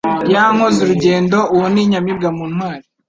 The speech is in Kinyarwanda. Ya Nkozurugendo Uwo ni inyamibwa mu ntwari